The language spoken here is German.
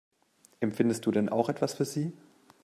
Empfindest du denn auch etwas für sie?